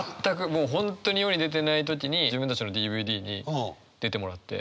もう本当に世に出てない時に自分たちのＤＶＤに出てもらって。